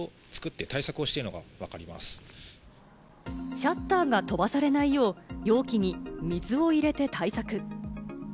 シャッターが飛ばされないよう、容器に水を入れて対策。